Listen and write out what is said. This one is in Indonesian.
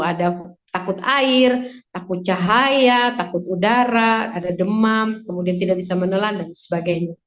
ada takut air takut cahaya takut udara ada demam kemudian tidak bisa menelan dan sebagainya